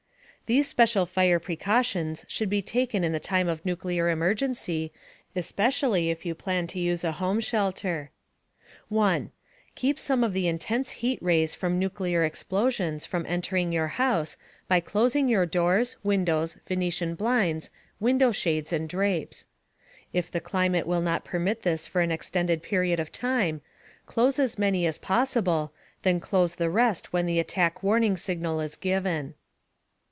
These special fire precautions should be taken in a time of nuclear emergency, especially if you plan to use a home shelter: (1) Keep some of the intense heat rays from nuclear explosions from entering your house by closing your doors, windows, venetian blinds, window shades and drapes. If the climate will not permit this for an extended period of time, close as many as possible, then close the rest when the Attack Warning Signal is given.